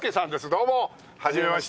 どうもはじめまして。